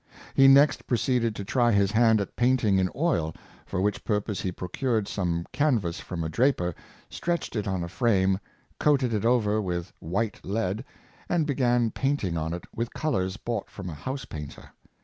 He next proceeded to try his hand at painting in oil, for which purpose he procured some canvas from a draper, stretched it on a frame, coated it over with white lead, and began painting on it with colors bought from a house painter.